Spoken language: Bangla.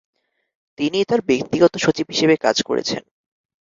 তিনি তার ব্যক্তিগত সচিব হিসেবে কাজ করেছেন।